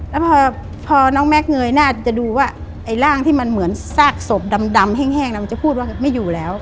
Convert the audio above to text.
แล้วพอน้องแม็กซเงยหน้าจะดูว่าไอ้ร่างที่มันเหมือนซากศพดำแห้งแล้วมันจะพูดว่าไม่อยู่แล้ว